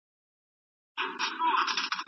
هغې به د ازادې مطالعې ګټې درک کړې وي.